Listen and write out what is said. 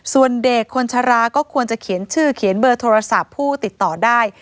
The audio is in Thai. ส่วนเด็กคนชะลาก็ควรจะเขียนชื่อเขียนเบอร์โทรศัพท์ผู้ติดต่อได้